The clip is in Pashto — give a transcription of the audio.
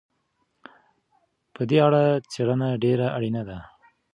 په دې اړه څېړنه ډېره اړينه ده.